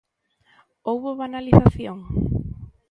Houbo banalización?